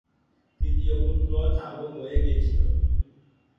তৃতীয় পুত্র চারু বয়ে গিয়েছিল।